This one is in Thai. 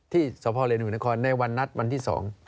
ที่สภาวิทยาลัยหนุนครในวันนัดวันที่๒